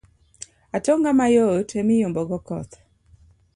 Atonga mayot emiyombogo koth.